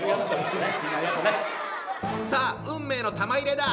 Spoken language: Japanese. さあ運命の玉入れだ！